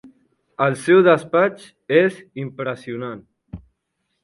El seu despatx és impressionant.